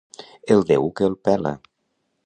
El Déu que el pela!